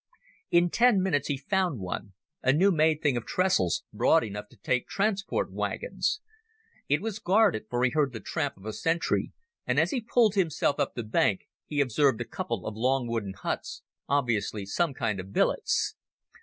In ten minutes he found one, a new made thing of trestles, broad enough to take transport wagons. It was guarded, for he heard the tramp of a sentry, and as he pulled himself up the bank he observed a couple of long wooden huts, obviously some kind of billets.